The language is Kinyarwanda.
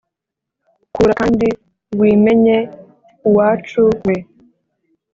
Kura kandi wimenye uwacu we